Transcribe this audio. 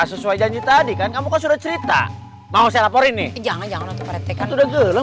sesuai janji tadi kan kamu kan sudah cerita mau saya laporin nih jangan jangan nanti rentekan udah dulu